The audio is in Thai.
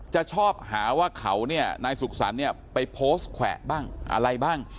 จะชอบหาว่าเขาเนี่ยนายสุขสรรค์เนี่ยไปโพสต์แขวะบ้างอะไรบ้าง